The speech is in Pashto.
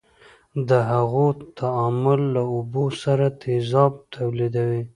د هغو تعامل له اوبو سره تیزاب تولیدوي.